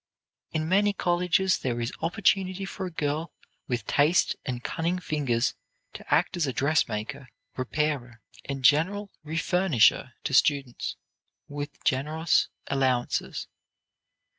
In many colleges there is opportunity for a girl with taste and cunning fingers to act as a dressmaker, repairer, and general refurnisher to students with generous allowances.